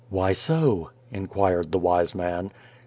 " Why so ?" inquired the wise man.